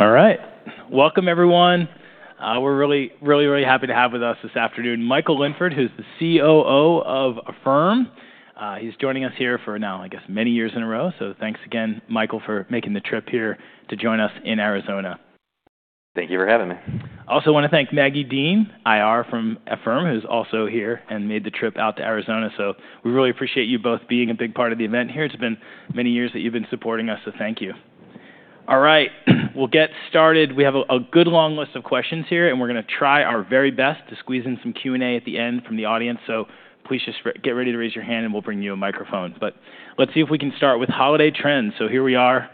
All right. Welcome, everyone. We're really, really, really happy to have with us this afternoon Michael Linford, who's the COO of Affirm. He's joining us here for now, I guess, many years in a row. So thanks again, Michael, for making the trip here to join us in Arizona. Thank you for having me. I also want to thank Maggie Dean, IR from Affirm, who's also here and made the trip out to Arizona. So we really appreciate you both being a big part of the event here. It's been many years that you've been supporting us, so thank you. All right, we'll get started. We have a good long list of questions here, and we're going to try our very best to squeeze in some Q&A at the end from the audience. So please just get ready to raise your hand, and we'll bring you a microphone. But let's see if we can start with holiday trends. So here we are.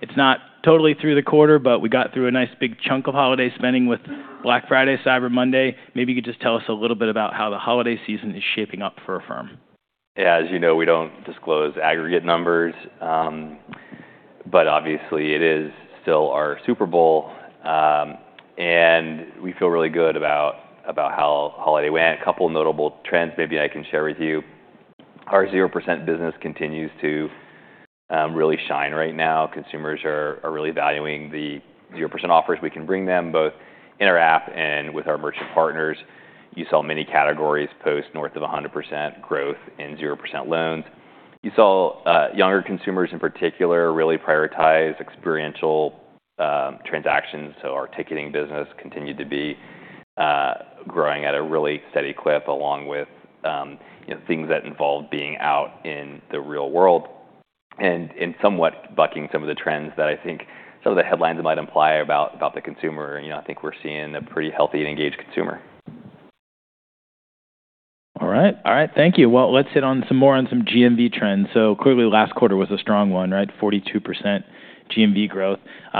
It's not totally through the quarter, but we got through a nice big chunk of holiday spending with Black Friday, Cyber Monday. Maybe you could just tell us a little bit about how the holiday season is shaping up for Affirm. Yeah, as you know, we don't disclose aggregate numbers. But obviously, it is still our Super Bowl. And we feel really good about how holiday went. A couple of notable trends maybe I can share with you. Our 0% business continues to really shine right now. Consumers are really valuing the 0% offers we can bring them, both in our app and with our merchant partners. You saw many categories post north of 100% growth in 0% loans. You saw younger consumers in particular really prioritize experiential transactions. So our ticketing business continued to be growing at a really steady clip, along with things that involve being out in the real world and somewhat bucking some of the trends that I think some of the headlines might imply about the consumer. I think we're seeing a pretty healthy and engaged consumer. All right. All right, thank you. Well, let's hit on some more GMV trends. So clearly, last quarter was a strong one, right? 42% GMV growth.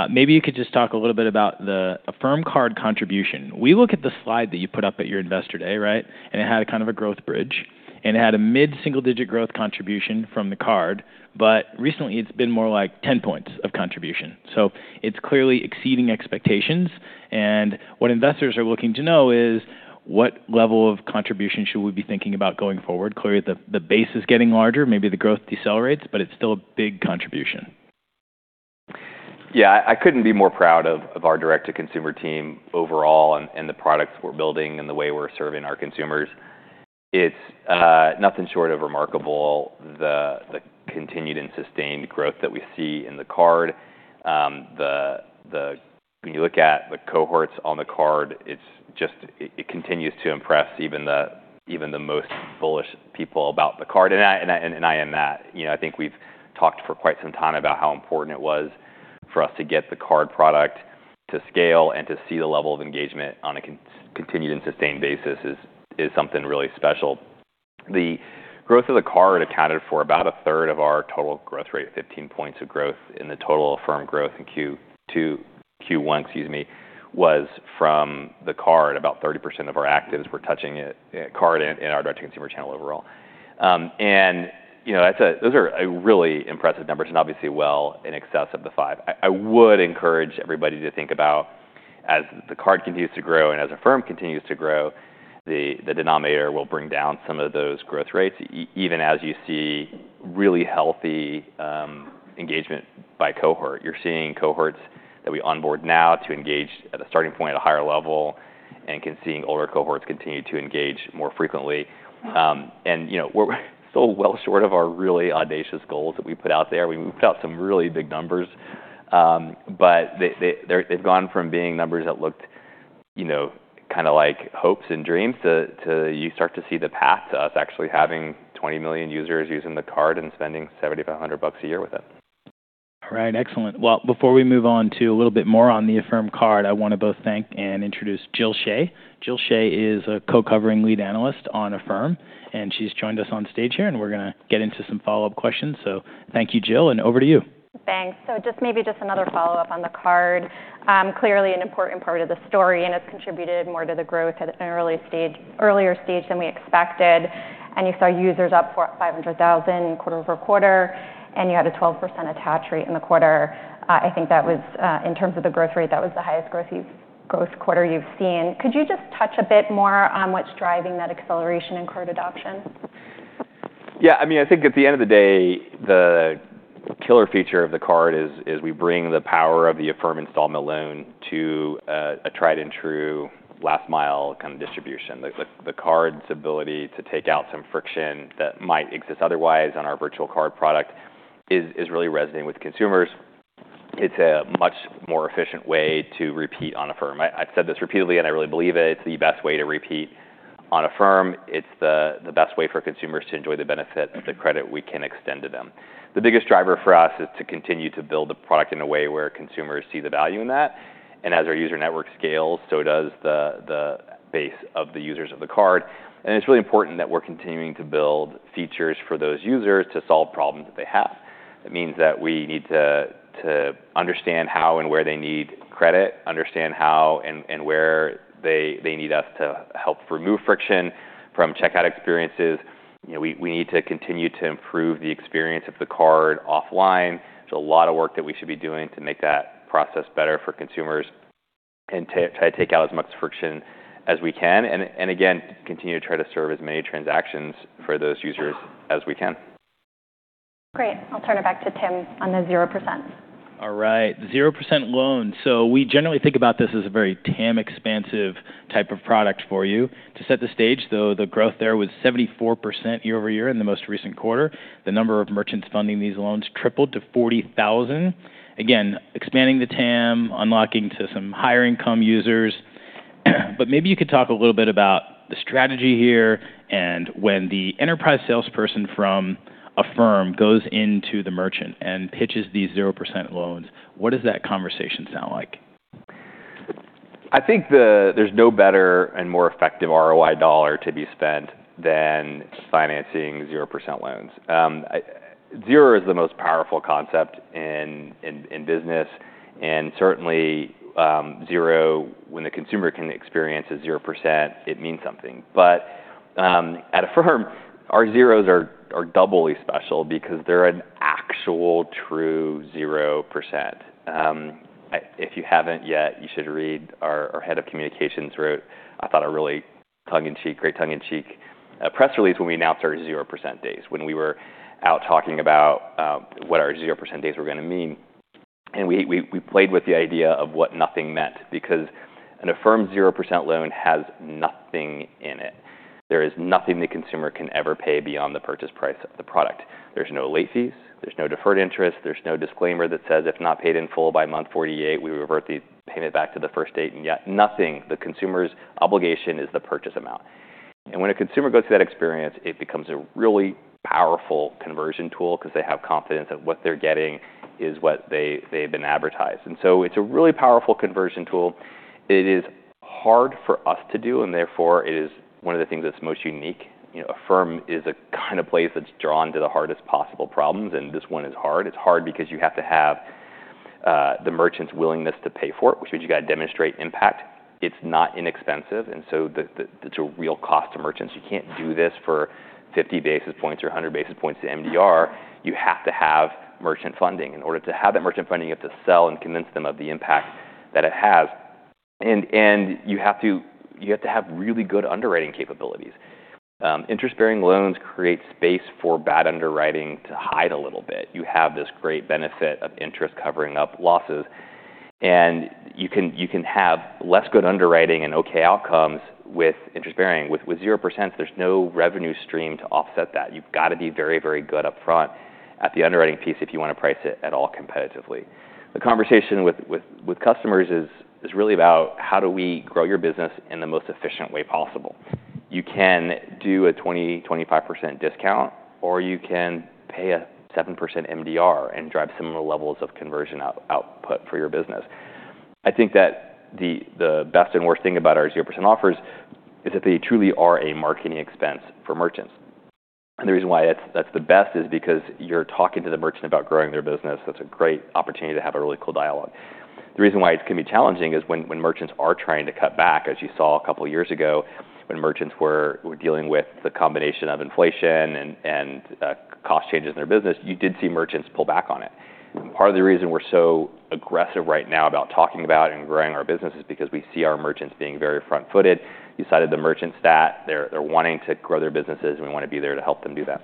Maybe you could just talk a little bit about the Affirm Card contribution. We look at the slide that you put up at your Investor Day, right? And it had kind of a growth bridge. And it had a mid-single-digit growth contribution from the card. But recently, it's been more like 10 points of contribution. So it's clearly exceeding expectations. And what investors are looking to know is, what level of contribution should we be thinking about going forward? Clearly, the base is getting larger. Maybe the growth decelerates, but it's still a big contribution. Yeah, I couldn't be more proud of our direct-to-consumer team overall and the products we're building and the way we're serving our consumers. It's nothing short of remarkable, the continued and sustained growth that we see in the card. When you look at the cohorts on the card, it just continues to impress even the most bullish people about the card. And I am that. I think we've talked for quite some time about how important it was for us to get the card product to scale and to see the level of engagement on a continued and sustained basis is something really special. The growth of the card accounted for about a third of our total growth rate, 15 points of growth. And the total Affirm growth in Q1, excuse me, was from the card. About 30% of our actives were touching card in our direct-to-consumer channel overall. Those are really impressive numbers and obviously well in excess of the 5. I would encourage everybody to think about, as the card continues to grow and as Affirm continues to grow, the denominator will bring down some of those growth rates, even as you see really healthy engagement by cohort. You're seeing cohorts that we onboard now to engage at a starting point at a higher level and can see older cohorts continue to engage more frequently. And we're still well short of our really audacious goals that we put out there. We put out some really big numbers. But they've gone from being numbers that looked kind of like hopes and dreams to you start to see the path to us actually having 20 million users using the card and spending $7,500 a year with it. All right, excellent. Well, before we move on to a little bit more on the Affirm Card, I want to both thank and introduce Jill Shea. Jill Shea is a co-covering lead analyst on Affirm. And she's joined us on stage here. And we're going to get into some follow-up questions. So thank you, Jill, and over to you. Thanks. So just maybe just another follow-up on the card. Clearly, an important part of the story and has contributed more to the growth at an earlier stage than we expected. And you saw users up 500,000 quarter over quarter. And you had a 12% attach rate in the quarter. I think that was, in terms of the growth rate, that was the highest growth quarter you've seen. Could you just touch a bit more on what's driving that acceleration in card adoption? Yeah, I mean, I think at the end of the day, the killer feature of the card is we bring the power of the Affirm installment loan to a tried and true last-mile kind of distribution. The card's ability to take out some friction that might exist otherwise on our virtual card product is really resonating with consumers. It's a much more efficient way to repeat on Affirm. I've said this repeatedly, and I really believe it. It's the best way to repeat on Affirm. It's the best way for consumers to enjoy the benefit of the credit we can extend to them. The biggest driver for us is to continue to build the product in a way where consumers see the value in that. And as our user network scales, so does the base of the users of the card. And it's really important that we're continuing to build features for those users to solve problems that they have. It means that we need to understand how and where they need credit, understand how and where they need us to help remove friction from checkout experiences. We need to continue to improve the experience of the card offline. There's a lot of work that we should be doing to make that process better for consumers and try to take out as much friction as we can. And again, continue to try to serve as many transactions for those users as we can. Great. I'll turn it back to Tim on the 0%. All right, 0% loan. So we generally think about this as a very TAM-expansive type of product for you. To set the stage, though, the growth there was 74% year-over year in the most recent quarter. The number of merchants funding these loans tripled to 40,000. Again, expanding the TAM, unlocking to some higher-income users. But maybe you could talk a little bit about the strategy here and when the enterprise salesperson from Affirm goes into the merchant and pitches these 0% loans. What does that conversation sound like? I think there's no better and more effective ROI dollar to be spent than financing 0% loans. Zero is the most powerful concept in business, and certainly, zero, when the consumer can experience a 0%, it means something, but at Affirm, our zeros are doubly special because they're an actual true 0%. If you haven't yet, you should read our head of communications wrote, I thought a really tongue-in-cheek, great tongue-in-cheek press release when we announced our 0% days, when we were out talking about what our 0% days were going to mean, and we played with the idea of what nothing meant because an Affirm 0% loan has nothing in it. There is nothing the consumer can ever pay beyond the purchase price of the product. There's no late fees. There's no deferred interest. There's no disclaimer that says, if not paid in full by month 48, we revert the payment back to the first date, and yet, nothing. The consumer's obligation is the purchase amount, and when a consumer goes through that experience, it becomes a really powerful conversion tool because they have confidence that what they're getting is what they've been advertised, and so it's a really powerful conversion tool. It is hard for us to do, and therefore, it is one of the things that's most unique. Affirm is a kind of place that's drawn to the hardest possible problems, and this one is hard. It's hard because you have to have the merchant's willingness to pay for it, which means you've got to demonstrate impact. It's not inexpensive, and so it's a real cost to merchants. You can't do this for 50 basis points or 100 basis points to MDR. You have to have merchant funding. In order to have that merchant funding, you have to sell and convince them of the impact that it has, and you have to have really good underwriting capabilities. Interest-bearing loans create space for bad underwriting to hide a little bit. You have this great benefit of interest covering up losses, and you can have less good underwriting and OK outcomes with interest-bearing. With 0%, there's no revenue stream to offset that. You've got to be very, very good upfront at the underwriting piece if you want to price it at all competitively. The conversation with customers is really about, how do we grow your business in the most efficient way possible? You can do a 20%-25% discount, or you can pay a 7% MDR and drive similar levels of conversion output for your business. I think that the best and worst thing about our 0% offers is that they truly are a marketing expense for merchants, and the reason why that's the best is because you're talking to the merchant about growing their business. That's a great opportunity to have a really cool dialogue. The reason why it can be challenging is when merchants are trying to cut back, as you saw a couple of years ago when merchants were dealing with the combination of inflation and cost changes in their business, you did see merchants pull back on it. Part of the reason we're so aggressive right now about talking about and growing our business is because we see our merchants being very front-footed. You cited the merchant stat. They're wanting to grow their businesses, and we want to be there to help them do that.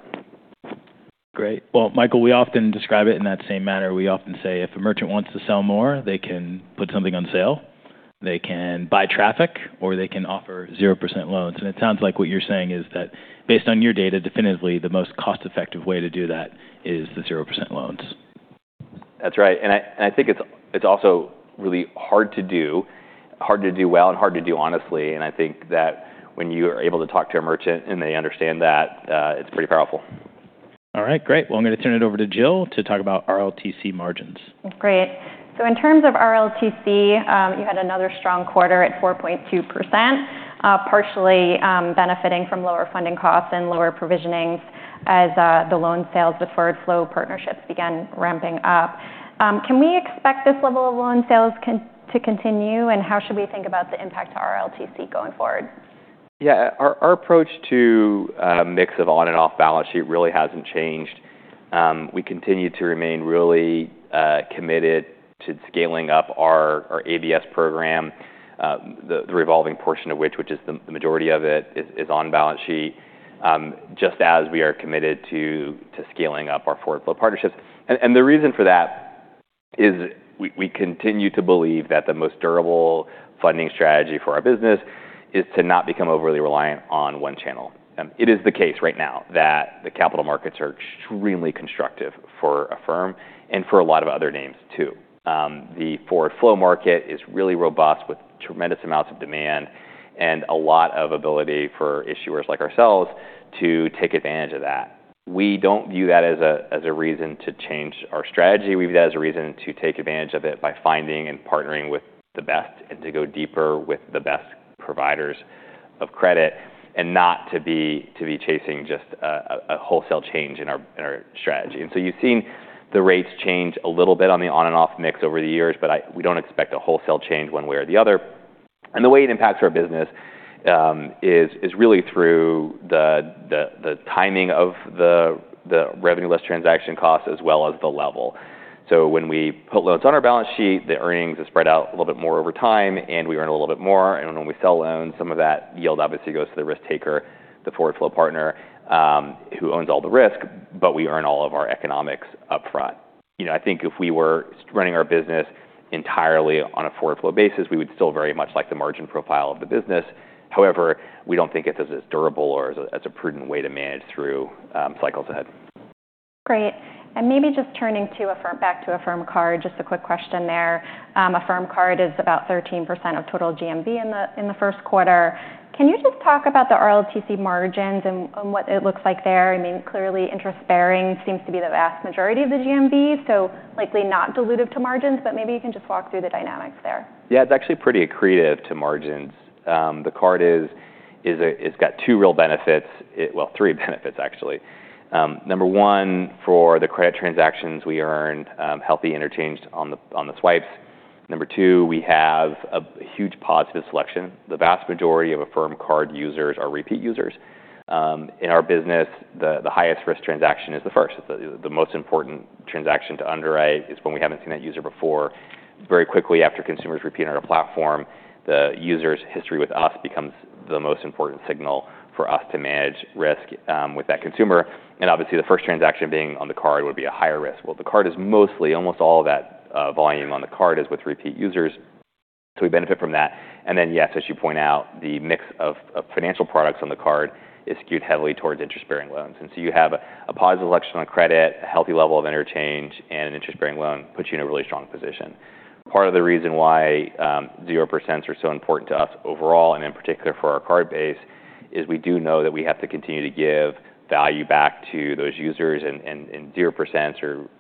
Great. Well, Michael, we often describe it in that same manner. We often say, if a merchant wants to sell more, they can put something on sale. They can buy traffic, or they can offer 0% loans. And it sounds like what you're saying is that, based on your data, definitely the most cost-effective way to do that is the 0% loans. That's right. And I think it's also really hard to do, hard to do well, and hard to do honestly. And I think that when you are able to talk to a merchant and they understand that, it's pretty powerful. All right, great. Well, I'm going to turn it over to Jill to talk about RLTC margins. Great. So in terms of RLTC, you had another strong quarter at 4.2%, partially benefiting from lower funding costs and lower provisionings as the loan sales with Forward Flow Partnerships began ramping up. Can we expect this level of loan sales to continue? And how should we think about the impact to RLTC going forward? Yeah, our approach to a mix of on and off balance sheet really hasn't changed. We continue to remain really committed to scaling up our ABS program, the revolving portion of which, which is the majority of it, is on balance sheet, just as we are committed to scaling up our Forward Flow partnerships. And the reason for that is we continue to believe that the most durable funding strategy for our business is to not become overly reliant on one channel. It is the case right now that the capital markets are extremely constructive for Affirm and for a lot of other names, too. The Forward Flow market is really robust with tremendous amounts of demand and a lot of ability for issuers like ourselves to take advantage of that. We don't view that as a reason to change our strategy. We view that as a reason to take advantage of it by finding and partnering with the best and to go deeper with the best providers of credit and not to be chasing just a wholesale change in our strategy. And so you've seen the rates change a little bit on the on and off mix over the years. But we don't expect a wholesale change one way or the other. And the way it impacts our business is really through the timing of the revenue less transaction costs as well as the level. So when we put loans on our balance sheet, the earnings are spread out a little bit more over time. And we earn a little bit more. And when we sell loans, some of that yield obviously goes to the risk taker, the Forward Flow Partner, who owns all the risk. But we earn all of our economics upfront. I think if we were running our business entirely on a Forward Flow basis, we would still very much like the margin profile of the business. However, we don't think it's as durable or as prudent way to manage through cycles ahead. Great. And maybe just turning back to Affirm Card, just a quick question there. Affirm Card is about 13% of total GMV in the first quarter. Can you just talk about the RLTC margins and what it looks like there? I mean, clearly, interest-bearing seems to be the vast majority of the GMV, so likely not dilutive to margins. But maybe you can just walk through the dynamics there. Yeah, it's actually pretty accretive to margins. The card has got two real benefits, well, three benefits, actually. Number one, for the credit transactions, we earn healthy interchange on the swipes. Number two, we have a huge positive selection. The vast majority of Affirm Card users are repeat users. In our business, the highest risk transaction is the first. The most important transaction to underwrite is when we haven't seen that user before. Very quickly after consumers repeat on our platform, the user's history with us becomes the most important signal for us to manage risk with that consumer. And obviously, the first transaction being on the card would be a higher risk. Well, the card is mostly, almost all of that volume on the card is with repeat users. So we benefit from that. And then, yes, as you point out, the mix of financial products on the card is skewed heavily towards interest-bearing loans. And so you have a positive selection on credit, a healthy level of interchange, and an interest-bearing loan puts you in a really strong position. Part of the reason why 0% are so important to us overall and in particular for our card base is we do know that we have to continue to give value back to those users. And 0%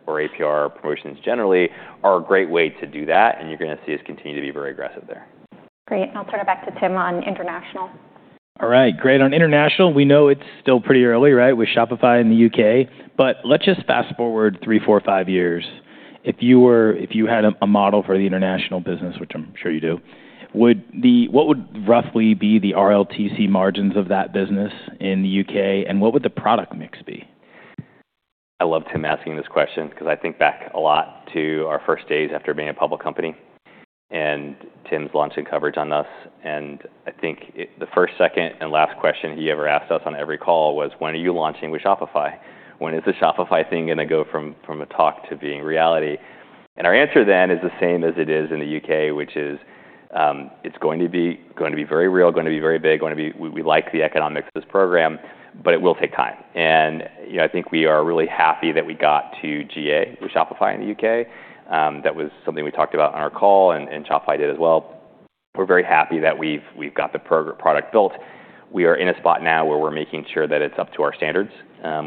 or APR promotions generally are a great way to do that. And you're going to see us continue to be very aggressive there. Great, and I'll turn it back to Tim on international. All right, great. On international, we know it's still pretty early, right, with Shopify in the UK. But let's just fast forward three, four, five years. If you had a model for the international business, which I'm sure you do, what would roughly be the RLTC margins of that business in the UK? And what would the product mix be? I love Tim asking this question because I think back a lot to our first days after being a public company and Tim's launching coverage on us. And I think the first, second, and last question he ever asked us on every call was, "When are you launching with Shopify? When is the Shopify thing going to go from a talk to being reality?" And our answer then is the same as it is in the U.K., which is it's going to be very real, going to be very big. We like the economics of this program. But it will take time. And I think we are really happy that we got to GA with Shopify in the U.K. That was something we talked about on our call. And Shopify did as well. We're very happy that we've got the product built. We are in a spot now where we're making sure that it's up to our standards.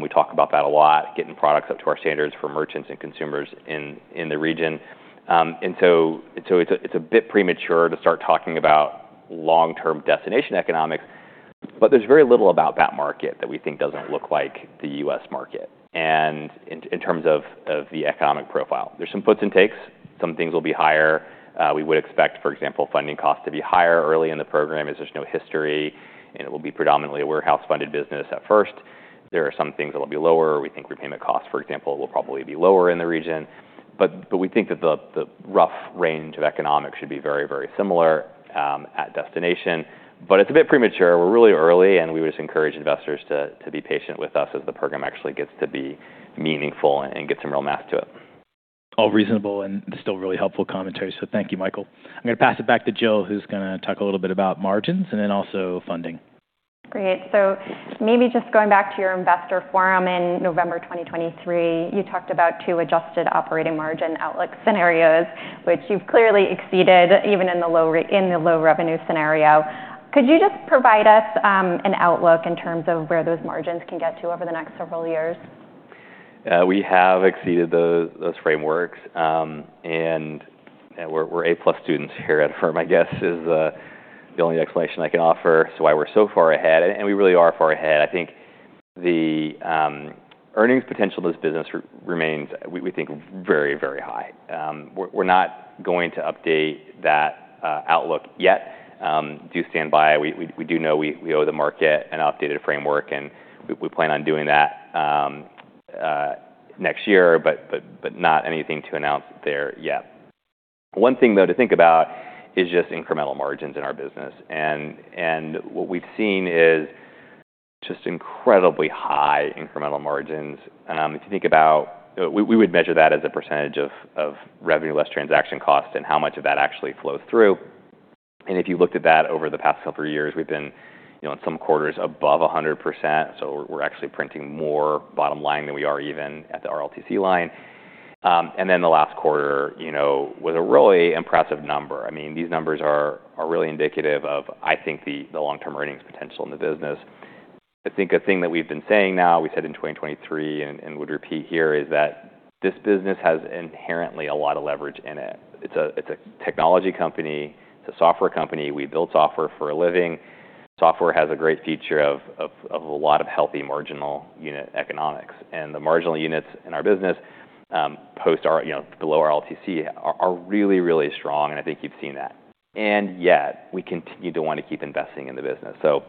We talk about that a lot, getting products up to our standards for merchants and consumers in the region. And so it's a bit premature to start talking about long-term destination economics. But there's very little about that market that we think doesn't look like the U.S. market in terms of the economic profile. There's some puts and takes. Some things will be higher. We would expect, for example, funding costs to be higher early in the program as there's no history. And it will be predominantly a warehouse-funded business at first. There are some things that will be lower. We think repayment costs, for example, will probably be lower in the region. But we think that the rough range of economics should be very, very similar at destination. But it's a bit premature. We're really early, and we would just encourage investors to be patient with us as the program actually gets to be meaningful and get some real mass to it. All reasonable and still really helpful commentary. So thank you, Michael. I'm going to pass it back to Jill, who's going to talk a little bit about margins and then also funding. Great. So maybe just going back to your investor forum in November 2023, you talked about two adjusted operating margin outlook scenarios, which you've clearly exceeded even in the low revenue scenario. Could you just provide us an outlook in terms of where those margins can get to over the next several years? We have exceeded those frameworks. And we're A-plus students here at Affirm, I guess, is the only explanation I can offer as to why we're so far ahead. And we really are far ahead. I think the earnings potential of this business remains, we think, very, very high. We're not going to update that outlook yet. Do stand by. We do know we owe the market an updated framework. And we plan on doing that next year, but not anything to announce there yet. One thing, though, to think about is just incremental margins in our business. And what we've seen is just incredibly high incremental margins. If you think about, we would measure that as a percentage of revenue less transaction cost and how much of that actually flows through. And if you looked at that over the past couple of years, we've been in some quarters above 100%. So, we're actually printing more bottom line than we are even at the RLTC line. And then the last quarter was a really impressive number. I mean, these numbers are really indicative of, I think, the long-term earnings potential in the business. I think a thing that we've been saying now, we said in 2023 and would repeat here, is that this business has inherently a lot of leverage in it. It's a technology company. It's a software company. We build software for a living. Software has a great feature of a lot of healthy marginal unit economics. And the marginal units in our business below RLTC are really, really strong. And I think you've seen that. And yet, we continue to want to keep investing in the business. So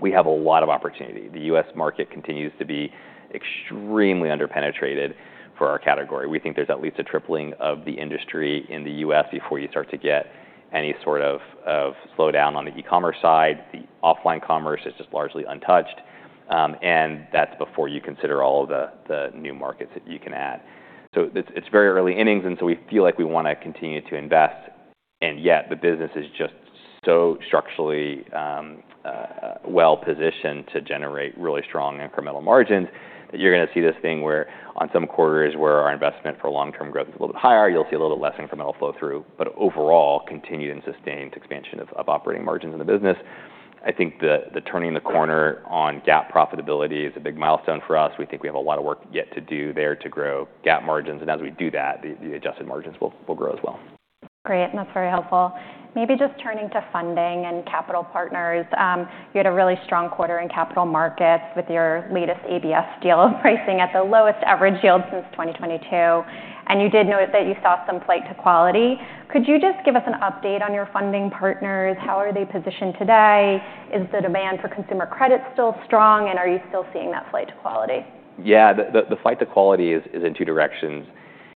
we have a lot of opportunity. The US market continues to be extremely underpenetrated for our category. We think there's at least a tripling of the industry in the U.S. before you start to get any sort of slowdown on the e-commerce side. The offline commerce is just largely untouched. And that's before you consider all of the new markets that you can add. So it's very early innings. And so we feel like we want to continue to invest. And yet, the business is just so structurally well-positioned to generate really strong incremental margins that you're going to see this thing where, on some quarters where our investment for long-term growth is a little bit higher, you'll see a little bit less incremental flow through. But overall, continued and sustained expansion of operating margins in the business. I think turning the corner on GAAP profitability is a big milestone for us. We think we have a lot of work yet to do there to grow GAAP margins, and as we do that, the adjusted margins will grow as well. Great. And that's very helpful. Maybe just turning to funding and capital partners. You had a really strong quarter in capital markets with your latest ABS deal of pricing at the lowest average yield since 2022. And you did note that you saw some flight to quality. Could you just give us an update on your funding partners? How are they positioned today? Is the demand for consumer credit still strong? And are you still seeing that flight to quality? Yeah, the flight to quality is in two directions.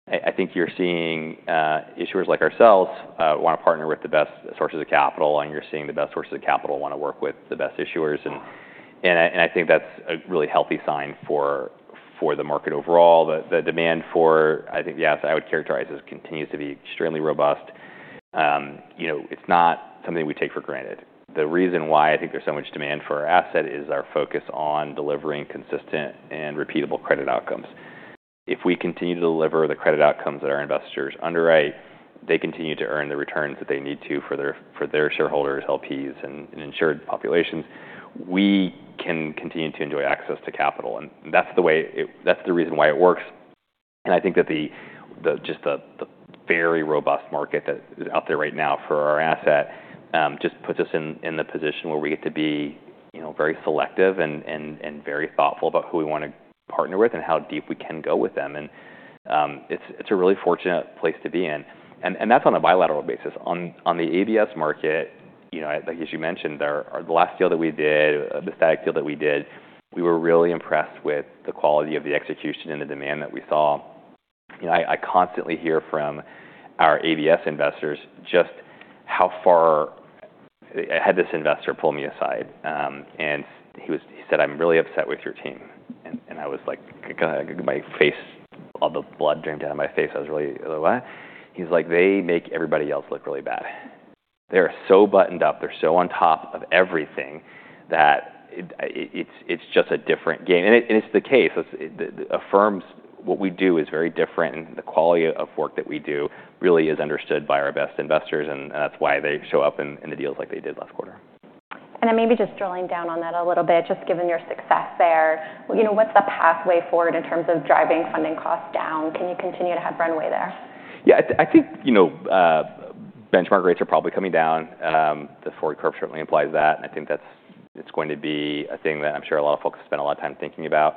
I think you're seeing issuers like ourselves want to partner with the best sources of capital. And you're seeing the best sources of capital want to work with the best issuers. And I think that's a really healthy sign for the market overall. The demand for, I think, the asset I would characterize as continues to be extremely robust. It's not something we take for granted. The reason why I think there's so much demand for our asset is our focus on delivering consistent and repeatable credit outcomes. If we continue to deliver the credit outcomes that our investors underwrite, they continue to earn the returns that they need to for their shareholders, LPs, and insured populations, we can continue to enjoy access to capital. And that's the reason why it works. I think that just the very robust market that is out there right now for our asset just puts us in the position where we get to be very selective and very thoughtful about who we want to partner with and how deep we can go with them. It's a really fortunate place to be in. That's on a bilateral basis. On the ABS market, like as you mentioned, the last deal that we did, the static deal that we did, we were really impressed with the quality of the execution and the demand that we saw. I constantly hear from our ABS investors just how far ahead. This investor pulled me aside. He said, "I'm really upset with your team." I was like, my face, all the blood drained down my face. I was really, "What?" He's like, "They make everybody else look really bad. They're so buttoned up. They're so on top of everything that it's just a different game." And it's the case. Affirm's, what we do is very different. And the quality of work that we do really is understood by our best investors. And that's why they show up in the deals like they did last quarter. And then maybe just drilling down on that a little bit, just given your success there, what's the pathway forward in terms of driving funding costs down? Can you continue to have runway there? Yeah, I think benchmark rates are probably coming down. The forward curve certainly implies that. And I think that's going to be a thing that I'm sure a lot of folks spend a lot of time thinking about.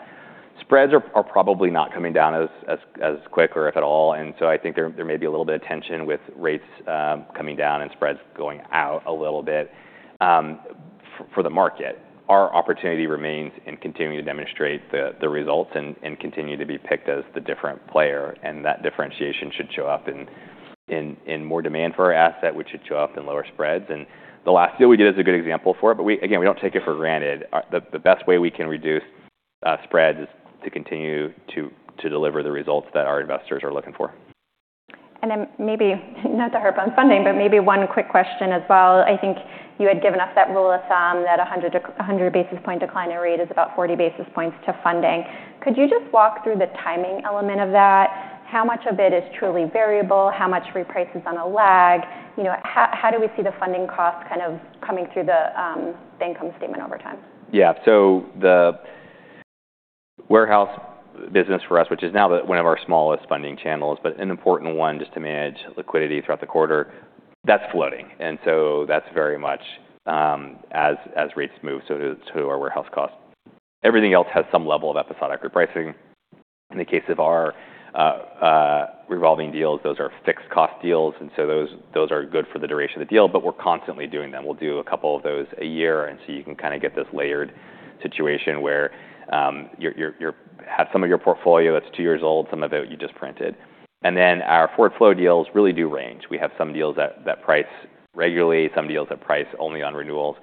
Spreads are probably not coming down as quick or if at all. And so I think there may be a little bit of tension with rates coming down and spreads going out a little bit for the market. Our opportunity remains in continuing to demonstrate the results and continue to be picked as the different player. And that differentiation should show up in more demand for our asset, which should show up in lower spreads. And the last deal we did is a good example for it. But again, we don't take it for granted. The best way we can reduce spreads is to continue to deliver the results that our investors are looking for. And then maybe not to harp on funding, but maybe one quick question as well. I think you had given us that rule of thumb that 100 basis point decline in rate is about 40 basis points to funding. Could you just walk through the timing element of that? How much of it is truly variable? How much reprices on a lag? How do we see the funding cost kind of coming through the income statement over time? Yeah, so the warehouse business for us, which is now one of our smallest funding channels, but an important one just to manage liquidity throughout the quarter, that's floating. And so that's very much as rates move to our warehouse costs. Everything else has some level of episodic repricing. In the case of our revolving deals, those are fixed cost deals. And so those are good for the duration of the deal. But we're constantly doing them. We'll do a couple of those a year. And so you can kind of get this layered situation where you have some of your portfolio that's two years old, some of it you just printed. And then our forward flow deals really do range. We have some deals that price regularly, some deals that price only on renewals.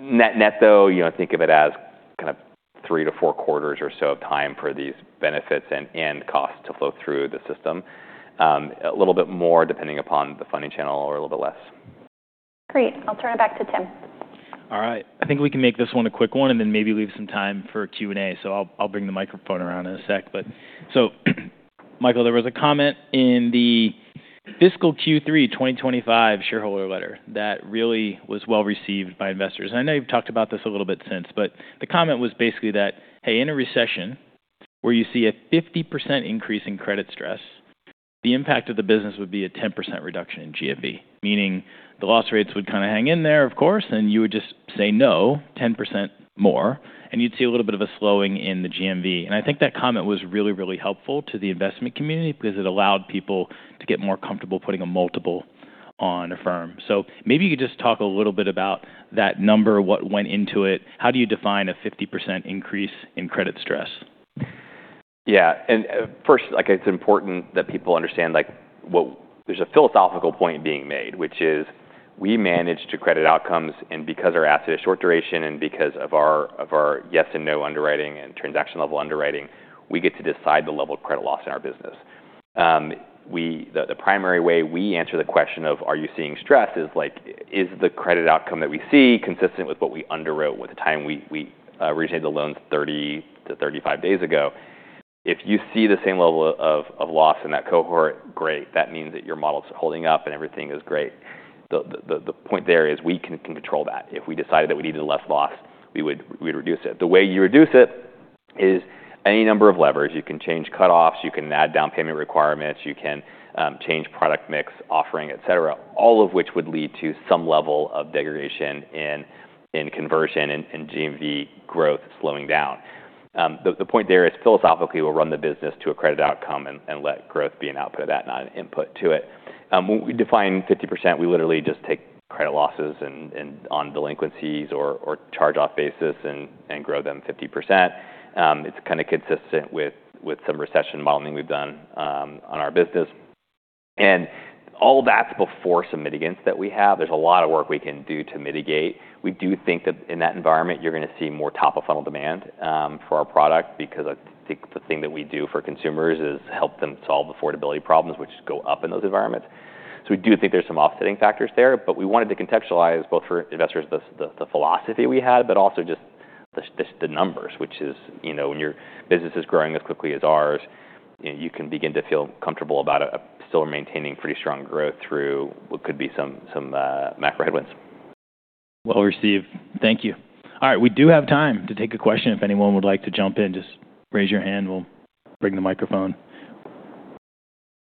Net, though, you don't think of it as kind of three-to-four quarters or so of time for these benefits and costs to flow through the system, a little bit more depending upon the funding channel or a little bit less. Great. I'll turn it back to Tim. All right. I think we can make this one a quick one and then maybe leave some time for Q&A. So I'll bring the microphone around in a sec. But so, Michael, there was a comment in the fiscal Q3 2025 shareholder letter that really was well received by investors. And I know you've talked about this a little bit since. But the comment was basically that, "Hey, in a recession where you see a 50% increase in credit stress, the impact of the business would be a 10% reduction in GMV," meaning the loss rates would kind of hang in there, of course. And you would just say, "No, 10% more." And you'd see a little bit of a slowing in the GMV. And I think that comment was really, really helpful to the investment community because it allowed people to get more comfortable putting a multiple on Affirm. So maybe you could just talk a little bit about that number, what went into it. How do you define a 50% increase in credit stress? Yeah. And first, it's important that people understand there's a philosophical point being made, which is we manage the credit outcomes. And because our asset is short duration and because of our yes and no underwriting and transaction level underwriting, we get to decide the level of credit loss in our business. The primary way we answer the question of, "Are you seeing stress?" is, "Is the credit outcome that we see consistent with what we underwrote with the time we originated the loans 30 to 35 days ago?" If you see the same level of loss in that cohort, great. That means that your model's holding up and everything is great. The point there is we can control that. If we decided that we needed less loss, we would reduce it. The way you reduce it is any number of levers. You can change cutoffs. You can add down payment requirements. You can change product mix, offering, et cetera, all of which would lead to some level of degradation in conversion and GMV growth slowing down. The point there is philosophically, we'll run the business to a credit outcome and let growth be an output of that, not an input to it. When we define 50%, we literally just take credit losses on delinquencies or charge-off basis and grow them 50%. It's kind of consistent with some recession modeling we've done on our business, and all that's before some mitigants that we have. There's a lot of work we can do to mitigate. We do think that in that environment, you're going to see more top-of-funnel demand for our product because I think the thing that we do for consumers is help them solve affordability problems, which go up in those environments. We do think there's some offsetting factors there. But we wanted to contextualize both for investors the philosophy we had, but also just the numbers, which is when your business is growing as quickly as ours, you can begin to feel comfortable about still maintaining pretty strong growth through what could be some macro headwinds. Well received. Thank you. All right. We do have time to take a question. If anyone would like to jump in, just raise your hand. We'll bring the microphone.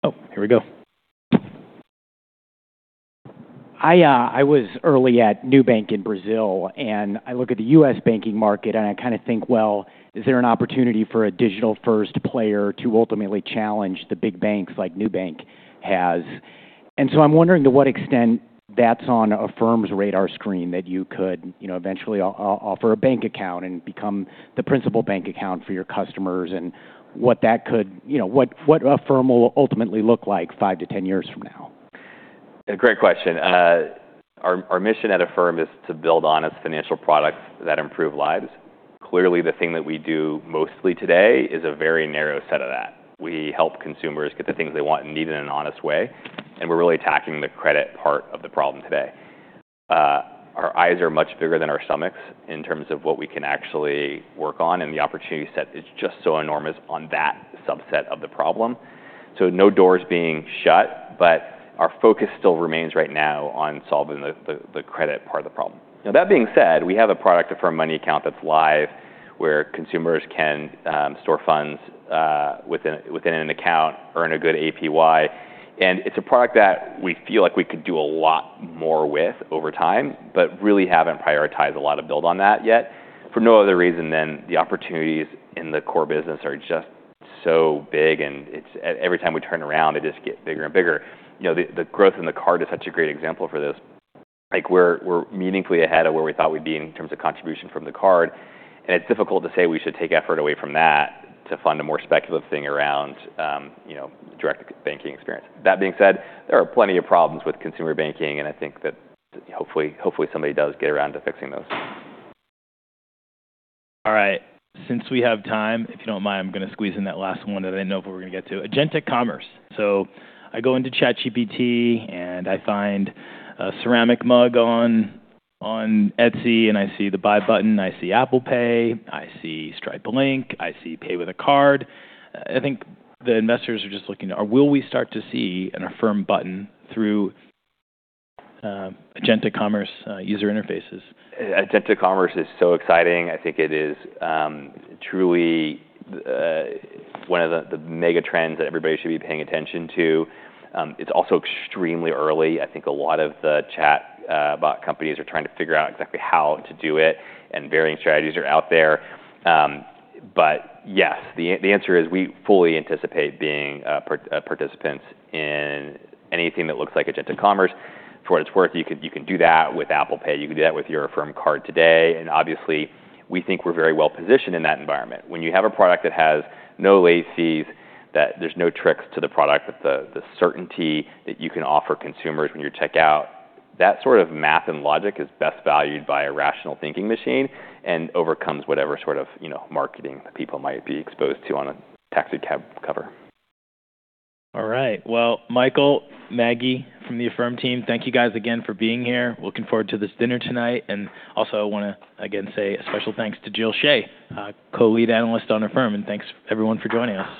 Oh, here we go. I was early at Nubank in Brazil. And I kind of think, "Well, is there an opportunity for a digital-first player to ultimately challenge the big banks like Nubank has?" And so I'm wondering to what extent that's on Affirm's radar screen, that you could eventually offer a bank account and become the principal bank account for your customers, and what that could, what Affirm will ultimately look like five to 10 years from now. Great question. Our mission at Affirm is to build honest financial products that improve lives. Clearly, the thing that we do mostly today is a very narrow set of that. We help consumers get the things they want and need in an honest way. And we're really attacking the credit part of the problem today. Our eyes are much bigger than our stomachs in terms of what we can actually work on. And the opportunity set is just so enormous on that subset of the problem. So no doors being shut. But our focus still remains right now on solving the credit part of the problem. Now, that being said, we have a product, Affirm Money Account, that's live where consumers can store funds within an account, earn a good APY. It's a product that we feel like we could do a lot more with over time, but really haven't prioritized a lot of build on that yet for no other reason than the opportunities in the core business are just so big. Every time we turn around, they just get bigger and bigger. The growth in the card is such a great example for this. We're meaningfully ahead of where we thought we'd be in terms of contribution from the card. It's difficult to say we should take effort away from that to fund a more speculative thing around direct banking experience. That being said, there are plenty of problems with consumer banking. I think that hopefully somebody does get around to fixing those. All right. Since we have time, if you don't mind, I'm going to squeeze in that last one that I didn't know if we were going to get to. Agentic commerce. So I go into ChatGPT, and I find a ceramic mug on Etsy. And I see the buy button. I see Apple Pay. I see Stripe Link. I see pay with a card. I think the investors are just looking to, "Will we start to see an Affirm button through agentic commerce user interfaces? Agentic Commerce is so exciting. I think it is truly one of the mega trends that everybody should be paying attention to. It's also extremely early. I think a lot of the chat about companies are trying to figure out exactly how to do it, and varying strategies are out there, but yes, the answer is we fully anticipate being participants in anything that looks like Agentic Commerce. For what it's worth, you can do that with Apple Pay. You can do that with your Affirm Card today. And obviously, we think we're very well positioned in that environment. When you have a product that has no laces, that there's no tricks to the product, that the certainty that you can offer consumers when you check out, that sort of math and logic is best valued by a rational thinking machine and overcomes whatever sort of marketing people might be exposed to on a tabloid cover. All right. Well, Michael, Maggie from the Affirm team, thank you guys again for being here. Looking forward to this dinner tonight. And also, I want to again say a special thanks to Jill Shea, co-lead analyst on Affirm. And thanks, everyone, for joining us.